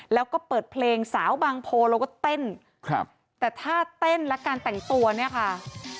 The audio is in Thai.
แล้วก็เปิดเพลงสาวบางโพเราก็เต้นครับแต่ถ้าเต้นและการแต่งตัวเนี่ยค่ะ